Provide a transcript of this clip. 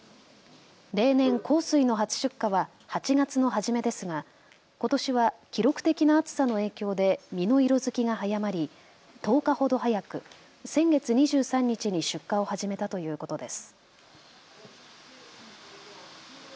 例年、幸水の初出荷は８月の初めですがことしは記録的な暑さの影響で実の色づきが早まり、１０日ほど早く先月２３日に出荷を始めたということです。